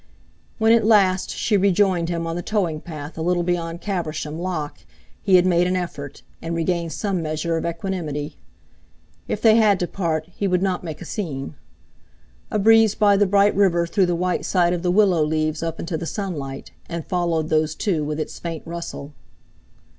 When at last she rejoined him on the towing path a little beyond Caversham lock he had made an effort, and regained some measure of equanimity. If they had to part, he would not make a scene! A breeze by the bright river threw the white side of the willow leaves up into the sunlight, and followed those two with its faint rustle.